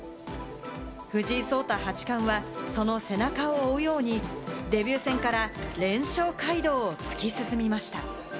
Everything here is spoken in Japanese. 藤井聡太八冠はその背中を追うようにデビュー戦から連勝街道を突き進みました。